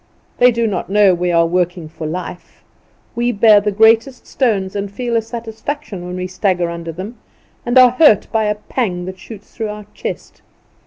They do not know we are working for life. We bear the greatest stones, and feel a satisfaction when we stagger under them, and are hurt by a pang that shoots through our chest.